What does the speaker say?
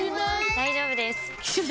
大丈夫です！